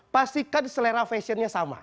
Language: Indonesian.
pastikan selera fashionnya sama